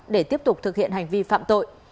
để tiếp tục thực hiện hành vi phạm tội